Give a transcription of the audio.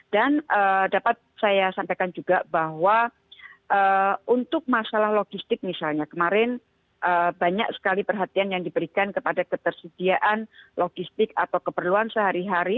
dan dapat saya sampaikan juga bahwa untuk masalah logistik misalnya kemarin banyak sekali perhatian yang diberikan kepada ketersediaan logistik atau keperluan sehari hari